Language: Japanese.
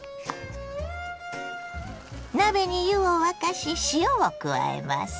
鍋に湯を沸かし塩を加えます。